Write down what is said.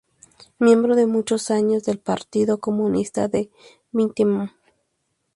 Miembro de muchos años del Partido Comunista de Vietnam.